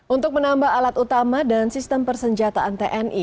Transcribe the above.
untuk menambah alat utama dan sistem persenjataan tni